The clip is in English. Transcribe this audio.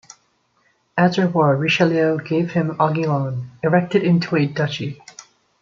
As a reward Richelieu gave him Aiguillon, erected into a duchy.